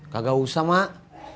kagak usah emak